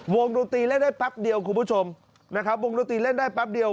ดนตรีเล่นได้แป๊บเดียวคุณผู้ชมนะครับวงดนตรีเล่นได้แป๊บเดียว